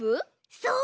そう！